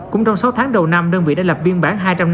cũng trong sáu tháng đầu năm đơn vị đã lập biên bản